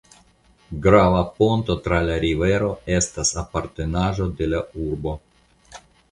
Grava ponto tra la rivero estas apartenaĵo de la urbo.